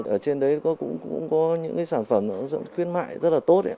ở trên đấy cũng có những sản phẩm khuyên mại rất là tốt